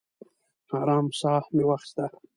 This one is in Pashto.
ارام ساه مې واخیسته.